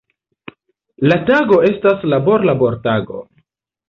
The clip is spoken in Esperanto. La tago estas labor-labortago.